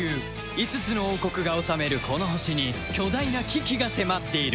５つの王国が治めるこの星に巨大な危機が迫っている